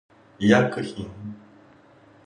医薬品